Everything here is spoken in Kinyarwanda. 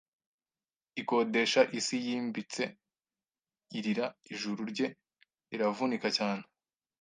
ikodesha isi yimbitse irira Ijuru rye riravunika cyane